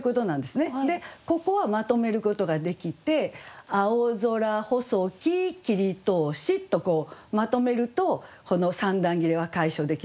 でここはまとめることができて「青空細き切通し」とこうまとめるとこの三段切れは解消できますね。